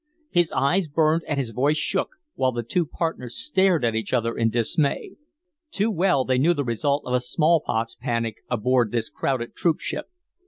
His eyes burned and his voice shook, while the two partners stared at each other in dismay. Too well they knew the result of a small pox panic aboard this crowded troop ship.